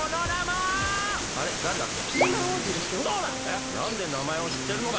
えっなんでなまえをしってるのだ！